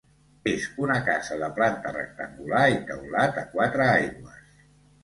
És una casa de planta rectangular i teulat a quatre aigües.